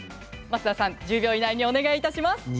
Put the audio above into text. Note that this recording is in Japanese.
増田さん１０秒以内にお願いいたします！